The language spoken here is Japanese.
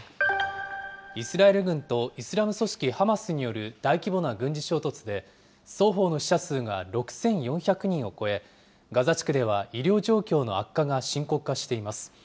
イスラエル軍とイスラム組織ハマスによる大規模な軍事衝突で、双方の死者数が６４００人を超え、ガザ地区では医療状況の悪化が深刻化しています。